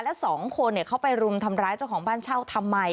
และสองคนเขาไปรุมทำร้ายเจ้าของบ้านเช่าทำไม